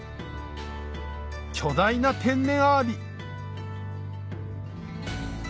巨大な天然アワビ